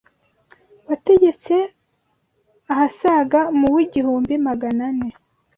wategetse ahasaga mu w’igihumbi magana ane